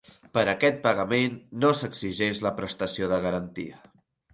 Per a aquest pagament no s'exigeix la prestació de garantia.